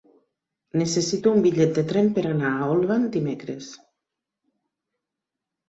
Necessito un bitllet de tren per anar a Olvan dimecres.